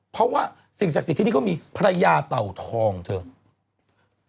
เพราะว่าสิ่งศักดิ์สิทธิ์ที่นี่เขามีพระยาเต่าทองเถอะ